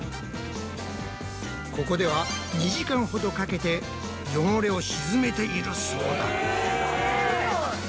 ここでは２時間ほどかけて汚れを沈めているそうだ。